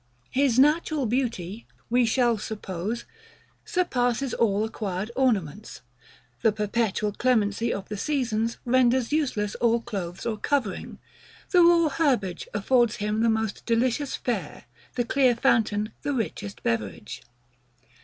His natural beauty, we shall suppose, surpasses all acquired ornaments: the perpetual clemency of the seasons renders useless all clothes or covering: the raw herbage affords him the most delicious fare; the clear fountain, the richest beverage.